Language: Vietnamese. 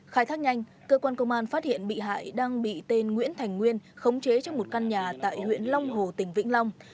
khai thác nhanh cơ quan công an phát hiện bị hại đang bị tên nguyễn thành nguyên khống chế trong một căn nhà tại huyện long hồ tỉnh vĩnh long